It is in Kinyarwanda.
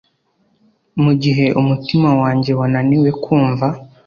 mugihe umutima wanjye wananiwe kumva.